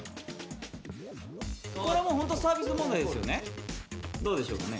これホントサービス問題ですよね？